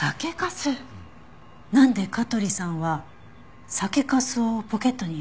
なんで香取さんは酒粕をポケットに入れてたんだろう？